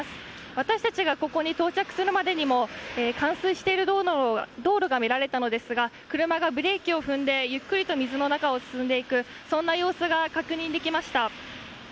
私たちがここに到着するまでにも冠水している道路が見られたのですが車がブレーキを踏んでゆっくりと水の中を進んでいく様子が確認できました。